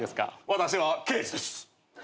私は刑事です。